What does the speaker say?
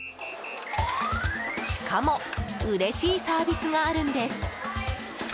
しかもうれしいサービスがあるんです。